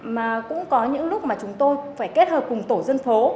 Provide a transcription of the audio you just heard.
mà cũng có những lúc mà chúng tôi phải kết hợp cùng tổ dân phố